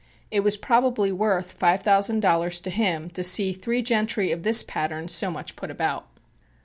It was probably worth five thousand dollars to him to see three gentry of this pattern so much put about.